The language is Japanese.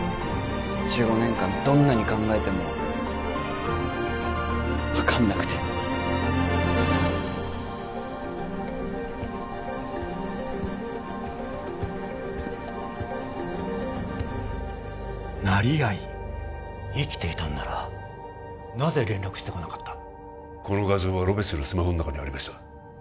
１５年間どんなに考えても分かんなくて成合生きていたんならなぜ連絡してこなかったこの画像はロペスのスマホの中にありました